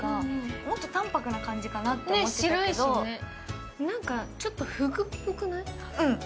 もっと淡泊な感じかなと思ってましたけど、ちょっとふぐっぽくない？